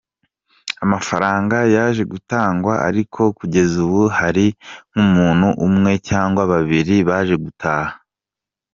Amafaranga yaje gutangwa, ariko kugeza ubu hari nk’umuntu umwe cyangwa babiri baje gutaha.